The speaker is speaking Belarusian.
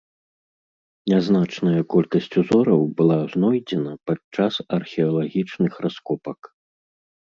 Нязначная колькасць узораў была знойдзена падчас археалагічных раскопак.